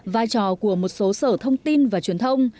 vai trò của một số sở thông tin và truyền thông